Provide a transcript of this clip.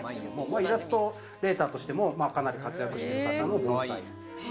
イラストレーターとしても、かなり活躍してる方の盆栽。